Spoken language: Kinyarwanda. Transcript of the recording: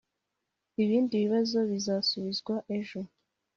ibindi bibazo bizasubizwa ejo.